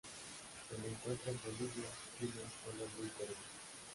Se le encuentra en Bolivia, Chile, Colombia y Perú.